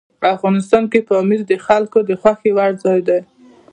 افغانستان کې پامیر د خلکو د خوښې وړ ځای دی.